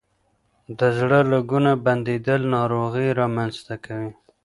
د زړه رګونه بندیدل ناروغۍ رامنځ ته کوي.